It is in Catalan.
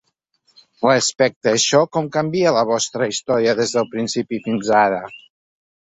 Respecte a això, ¿com canvia la vostra història des del principi fins ara?